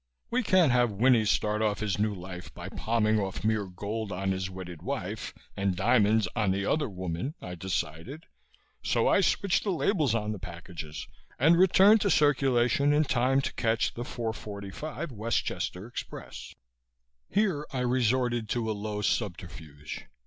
We can't have Winnie start off his new life by palming off mere gold on his wedded wife and diamonds on the Other Woman, I decided. So I switched the labels on the packages and returned to circulation in time to catch the 4:45 Westchester Express. Here, I resorted to a low subterfuge.